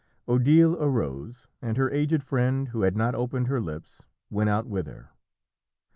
Odile arose, and her aged friend, who had not opened her lips, went out with her.